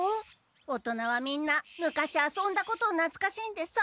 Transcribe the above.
大人はみんな昔遊んだことをなつかしんでさんかしたがるんだ。